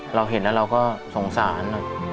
เราเห็นแล้วเราก็สงสาร